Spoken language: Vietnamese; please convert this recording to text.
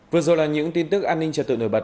vừa rồi là những tin tức an ninh trật tự nổi bật